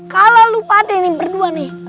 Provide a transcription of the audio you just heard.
kalau lu pate ini berdua nih